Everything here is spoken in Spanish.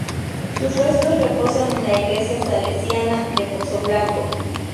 Sus restos reposan en la iglesia salesiana de Pozoblanco.